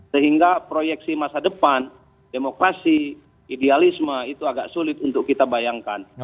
sehingga proyeksi masa depan demokrasi idealisme itu agak sulit untuk kita bayangkan